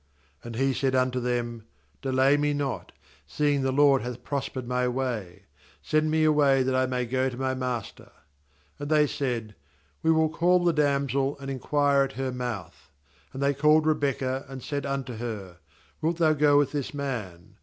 ^And he said unto them: 'Delay me not, seeing the LORD hath prospered my way; send me away that I may go to my master.' 57And they said. 4 We will call the damsel, and inquire at her mouth.' 58And they called Rebekah, and said unto her: 'Wilt thpu go with this man?'